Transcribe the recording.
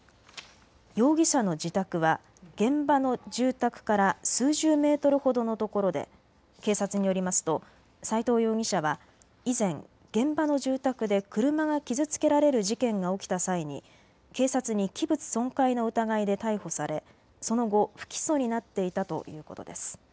容疑者の自宅は現場の住宅から数十メートルほどの所で警察によりますと斎藤容疑者は以前現場の住宅で車が傷つけられる事件が起きた際に警察に器物損壊の疑いで逮捕されその後、不起訴になっていたということです。